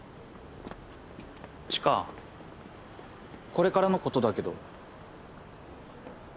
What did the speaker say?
これからのことだけど。